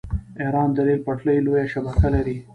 ایران د ریل پټلۍ لویه شبکه لري.